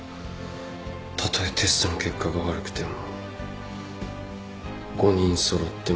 たとえテストの結果が悪くても５人揃って持ち直す。